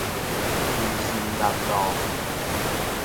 林森南路